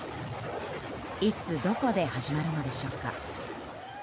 いつ、どこで始まるのでしょうか。